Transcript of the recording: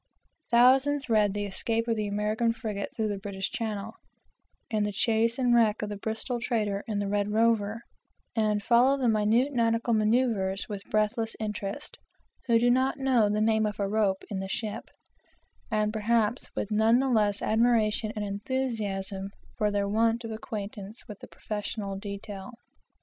Thousands read the escape of the American frigate through the British channel, and the chase and wreck of the Bristol trader in the Red Rover, and follow the minute nautical manoeuvres with breathless interest, who do not know the name of a rope in the ship; and perhaps with none the less admiration and enthusiasm for their want of acquaintance with the professional detail.